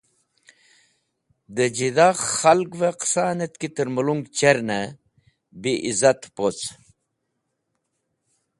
Dẽ jẽdha khalgvẽ qẽsanẽt ki tẽr mẽlong chernẽ bi izatẽb woc.